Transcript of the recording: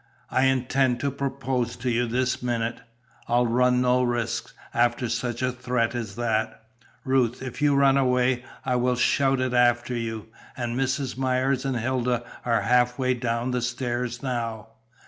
I intend to propose to you this minute. I'll run no risks, after such a threat as that. Ruth, if you run away, I will shout it after you, and Mrs. Myers and Hilda are half way down the stairs now.